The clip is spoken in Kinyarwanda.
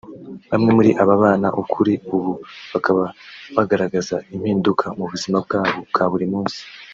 Bamwe muri aba bana kuri ubu bakaba bagaragaza impinduka mu buzima bwabo bwa buri munsi